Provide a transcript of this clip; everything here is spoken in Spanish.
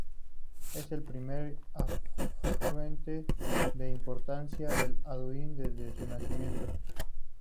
Es el primer afluente de importancia del Anduin desde su nacimiento.